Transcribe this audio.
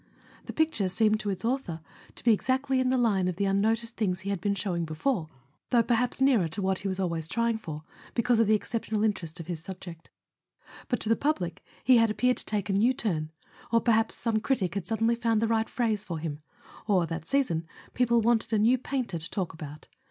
The picture seemed to its author to be exactly in the line of the unnoticed things he had been showing before, though perhaps [ 3 ] A SON AT THE FRONT nearer to what he was always trying for, because of the exceptional interest of his subject. But to the public he had appeared to take a new turn; or perhaps some critic had suddenly found the right phrase for him; or, that season, people wanted a new painter to talk about.